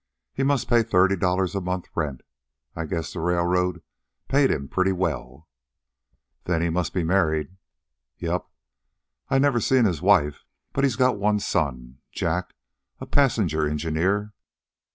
He must pay thirty dollars a month rent. I guess the railroad paid him pretty well." "Then he must be married?" "Yep. I never seen his wife, but he's got one son, Jack, a passenger engineer.